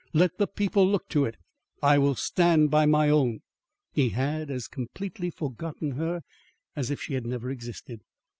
Let the people look to it! I will stand by my own." He had as completely forgotten her as if she had never existed.